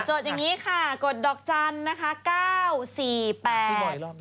โจทย์อย่างนี้ค่ะกดดอกจันทรีย์นะคะ๙๔๘